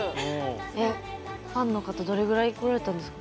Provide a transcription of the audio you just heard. えファンの方どれぐらい来られたんですか？